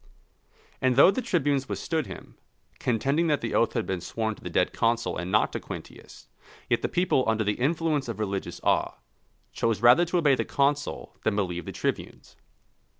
And though the tribunes withstood him, contending that the oath had been sworn to the dead consul and not to Quintius, yet the people under the influence of religious awe, chose rather to obey the consul than believe the tribunes.